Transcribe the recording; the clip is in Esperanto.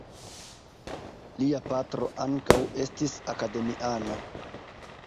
Lia patro ankaŭ estis akademiano.